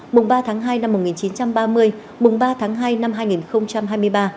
mùng ba tháng hai năm một nghìn chín trăm ba mươi mùng ba tháng hai năm hai nghìn hai mươi ba